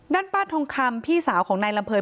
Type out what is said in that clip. ด้านป้าทองคำพี่สาวของนายลำเภย